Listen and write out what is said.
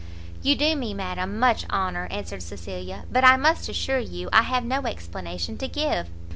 "You do me, madam, much honour," answered Cecilia, "but I must assure you I have no explanation to give."